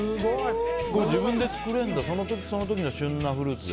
これ自分で作れるんだその時その時の旬なフルーツで。